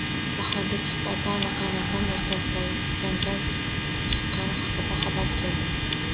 Bahorga chiqib, otam va qaynotam o`rtasida janjal chiqqani haqida xabar keldi